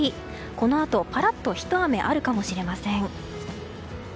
このあと、ぱらっとひと雨あるかもしれません。